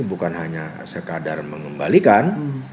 bukan hanya sekadar mengembalikan